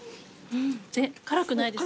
辛くないです